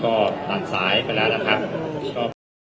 ครับก็ตัดสายไปแล้วนะครับ